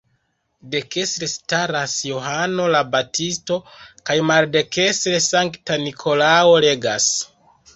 Dekstre staras Johano la Baptisto, kaj maldekstre Sankta Nikolao legas.